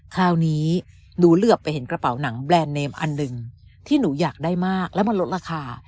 คราวนี้หนูเหลือไปเห็นกระเป๋าหนังแบรนด์เนมอันหนึ่งที่หนูอยากได้มากแล้วมันลดราคา